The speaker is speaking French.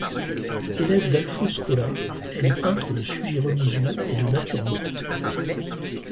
Élève d'Alphonse Colas, elle est peintre de sujets religieux et de natures mortes.